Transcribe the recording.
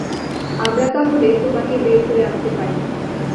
আমরা তাহলে তোমাকে বের করে আনতে পারি।